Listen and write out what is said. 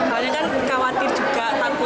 kalian kan khawatir juga takut anak anak ada yang kena